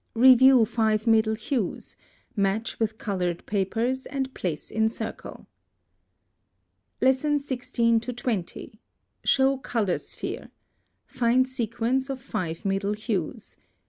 Review FIVE MIDDLE HUES, match with colored papers, and place in circle. 16 20. Show COLOR SPHERE. Find sequence of five middle hues.